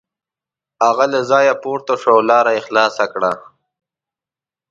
هغه له ځایه پورته شو او لار یې خلاصه کړه.